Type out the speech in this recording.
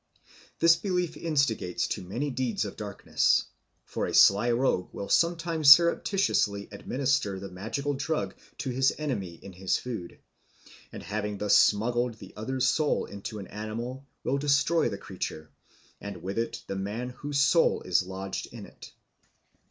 This belief instigates to many deeds of darkness; for a sly rogue will sometimes surreptitiously administer the magical drug to his enemy in his food, and having thus smuggled the other's soul into an animal will destroy the creature, and with it the man whose soul is lodged in it.